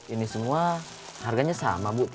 ini semua harganya sama bu